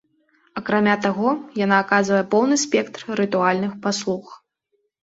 Акрамя таго, яна аказвае поўны спектр рытуальных паслуг.